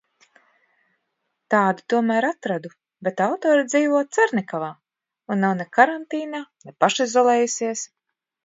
Tādu tomēr atradu, bet autore dzīvo Carnikavā un nav ne karantīnā, ne pašizolējusies.